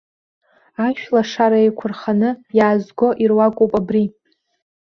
Ашәлашара еиқәырханы иаазго ируакуп абри.